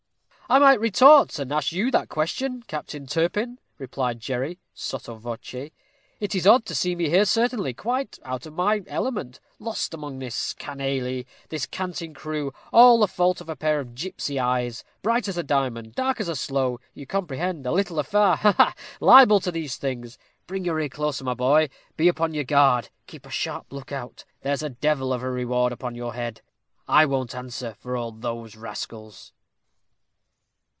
"I might retort, and ask you that question, Captain Turpin," replied Jerry, sotto voce. "It is odd to see me here, certainly quite out of my element lost amongst this canaille this Canting Crew all the fault of a pair of gipsy eyes, bright as a diamond, dark as a sloe. You comprehend a little affair, ha! Liable to these things. Bring your ear closer, my boy; be upon your guard keep a sharp look out there's a devil of a reward upon your head I won't answer for all those rascals."